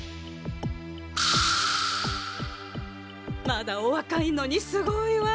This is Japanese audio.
まだおわかいのにすごいわ！